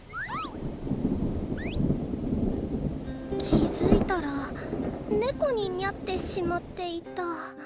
気づいたら猫ににゃってしまっていた